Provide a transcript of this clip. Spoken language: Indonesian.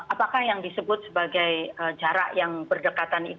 apakah yang disebut sebagai jarak yang berdekatan itu